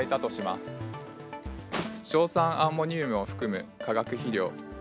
硝酸アンモニウムを含む化学肥料。